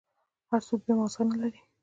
هر سوك بيا مازغه نلري.